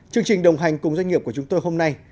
chương trình đồng hành cùng doanh nghiệp của chúng tôi hôm nay